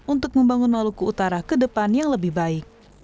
untuk membangun maluku utara ke depan yang lebih baik